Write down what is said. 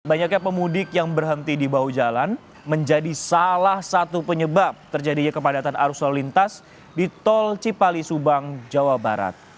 banyaknya pemudik yang berhenti di bahu jalan menjadi salah satu penyebab terjadinya kepadatan arus lalu lintas di tol cipali subang jawa barat